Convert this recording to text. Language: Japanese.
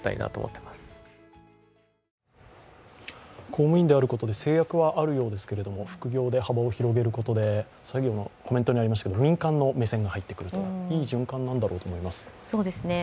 公務員であることで制約はあるようですけれども、副業で波紋を広げることで民間の目線が入ってくると、いい循環なんだろうと思います。